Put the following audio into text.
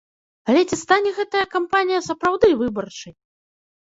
Але ці стане гэтая кампанія сапраўды выбарчай?